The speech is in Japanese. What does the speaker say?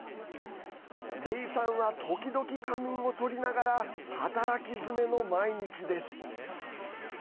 レイさんは時々、仮眠を取りながら働きづめの毎日です。